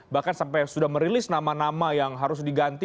bahkan sampai sudah merilis nama nama yang harus diganti